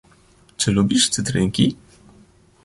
"Czy lubisz cytrynki?"